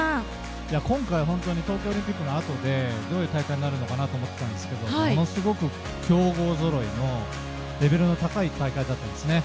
今回は東京オリンピックのあとでどういう大会になるのかなと思っていたんですけどものすごく強豪ぞろいのレベルの高い大会だったんですね。